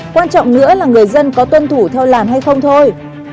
quan trọng nữa là người dân có tuân thủ theo làn hay không thôi